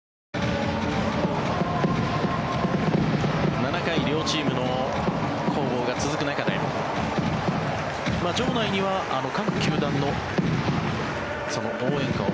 ７回両チームの攻防が続く中で場内には各球団の応援歌を